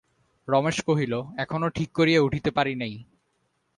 রমেশ কহিল, এখনো ঠিক করিয়া উঠিতে পারি নাই।